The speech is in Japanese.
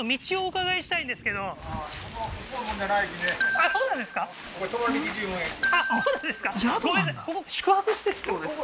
あっそうなんですか中に？